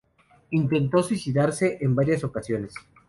Intentó suicidarse en varias ocasiones.